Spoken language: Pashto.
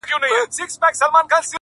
څه وکړمه لاس کي مي هيڅ څه نه وي،